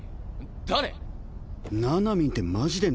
誰？